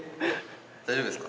⁉大丈夫ですか？